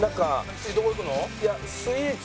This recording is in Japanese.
次どこ行くの？